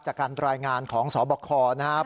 จากการรายงานของสบคนะครับ